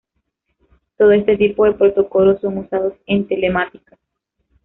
Todo este tipo de protocolos son usados en telemática.